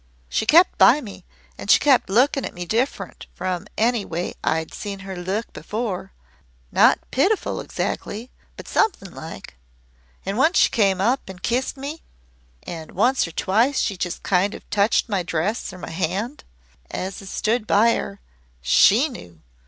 She kept by me and she kept looking at me different from any way I'd seen her look before not pitiful exactly but something like it. And once she came up and kissed me and once or twice she just kind of touched my dress or my hand as I stood by her. SHE knew.